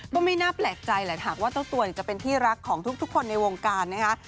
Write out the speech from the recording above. ก็ไม่น่าแปลกใจแหละหากว่าเจ้าตัวจะเป็นที่รักของทุกคนในวงการนะคะ